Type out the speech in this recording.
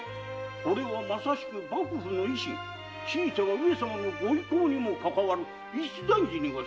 これはまさしく幕府の威信ひいては上様のご威光にもかかわる一大事でござりまするぞ。